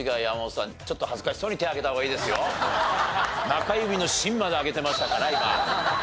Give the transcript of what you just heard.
中指の芯まで挙げてましたから今。